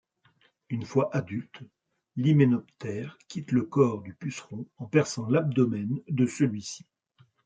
Une fois adulte, l'hyménoptère quitte le corps du puceron en perçant l'abdomen de celui-ci.